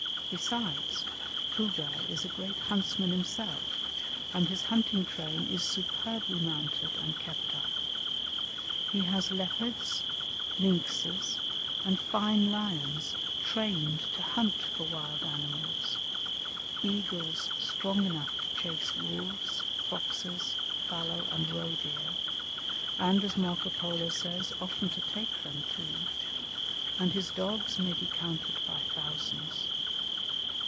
Besides, Kublaï is a great huntsman himself, and his hunting train is superbly mounted and kept up. He has leopards, lynxes and fine lions trained to hunt for wild animals, eagles strong enough to chase wolves, foxes, fallow and roe deer, and, as Marco Polo says, "often to take them too," and his dogs may be counted by thousands.